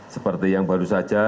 seperti yang baru saja